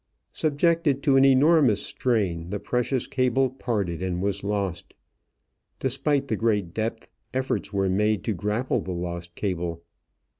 Subjected to an enormous strain, the precious cable parted and was lost. Despite the great depth, efforts were made to grapple the lost cable.